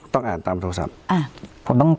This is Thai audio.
ต้องอ่านตามโทรศัพท์